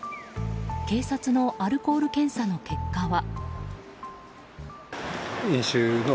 警察のアルコール検査の結果は。